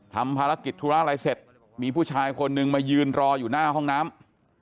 ทำภารกิจธุระอะไรเสร็จมีผู้ชายคนนึงมายืนรออยู่หน้าห้องน้ำ